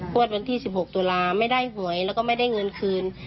วันที่๑๖ตุลาไม่ได้หวยแล้วก็ไม่ได้เงินคืน